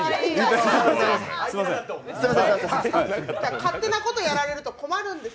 勝手なことやられると困るんですよ。